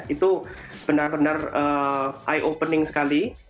itu benar benar eye opening sekali